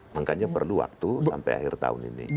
makanya perlu waktu sampai akhir tahun ini